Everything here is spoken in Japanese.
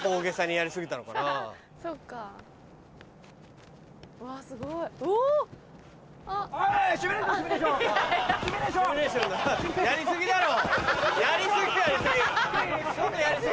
やり過ぎだろ？